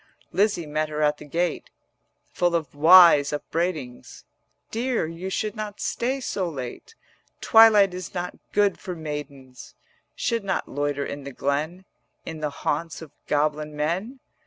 140 Lizzie met her at the gate Full of wise upbraidings: 'Dear, you should not stay so late, Twilight is not good for maidens; Should not loiter in the glen In the haunts of goblin men.